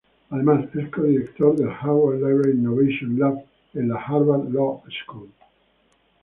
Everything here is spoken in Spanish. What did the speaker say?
Además, es codirector del Harvard Library Innovation Lab en la Harvard Law School.